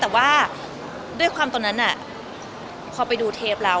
แต่ว่าด้วยความตอนนั้นพอไปดูเทปแล้ว